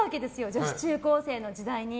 女子中高生の時代に。